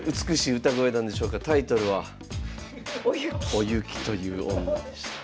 おゆきという女でした。